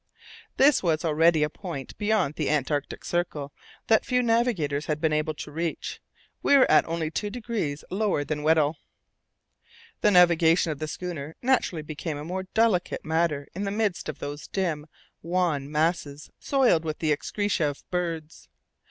This was already a point beyond the Antarctic Circle that few navigators had been able to reach. We were at only two degrees lower than Weddell. The navigation of the schooner naturally became a more delicate matter in the midst of those dim, wan masses soiled with the excreta of birds.